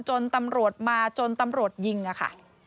จนตำรวจมาจนตำรวจยิงค่ะ